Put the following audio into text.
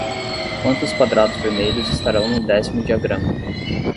Quantos quadrados vermelhos estarão no décimo diagrama?